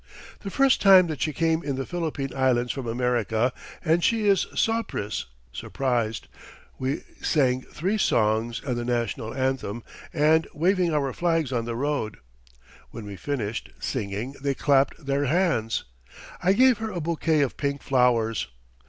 The first time that she came in the Philippine Islands from America and she is soprice (surprised). We sang three songs and the National Anthem and waving our flags on the road. When we finished singing they clapped their hands. I gave her a bouquet of pink flowers.